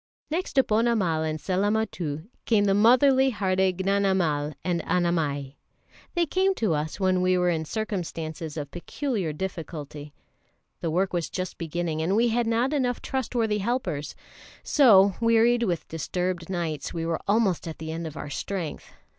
Next to Ponnamal and Sellamuttu come the motherly hearted Gnanamal and Annamai. They came to us when we were in circumstances of peculiar difficulty. The work was just beginning, and we had not enough trustworthy helpers; so, wearied with disturbed nights, we were almost at the end of our strength.